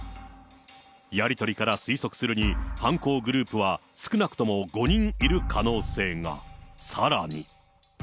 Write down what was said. やり取りから推測するに、犯行グループは少なくとも５人いる可能性が。